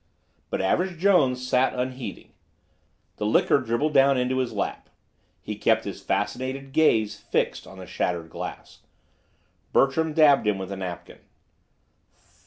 But Average Jones sat unheeding. The liquor dribbled down into his lap. He kept his fascinated gaze fixed on the shattered glass. Bertram dabbed him with a napkin.